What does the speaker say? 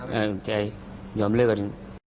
ผมตกใจยอมเลือกกัน